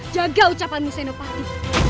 jaga ucapanmu senopati